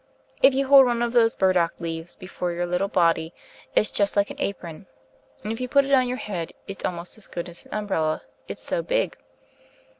"If you hold one of those burdock leaves before your little body it's just like an apron, and if you put it on your head it's almost as good as an umbrella, it's so big."